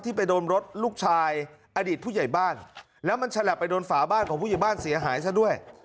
ไปโดนรถลูกชายอดีตผู้ใหญ่บ้านแล้วมันฉลับไปโดนฝาบ้านของผู้ใหญ่บ้านเสียหายซะด้วย